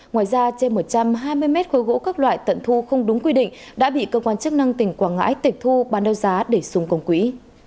ngoài ra trên một trăm hai mươi mét khối gỗ các loại tận thu không đúng quy định đã bị cơ quan chức năng tỉnh quảng ngãi tịch thu bán đấu giá để xung công quỹ